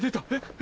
え？